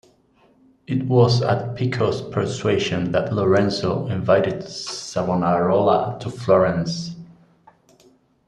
It was at Pico's persuasion that Lorenzo invited Savonarola to Florence.